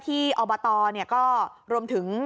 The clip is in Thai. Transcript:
ที่อบตเนี่ยก็รวมถึง